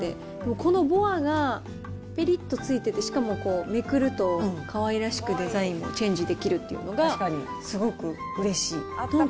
このボアがぺりっとついてて、しかも、めくると、かわいらしくデザインもチェンジできるというのがすごくうれしい。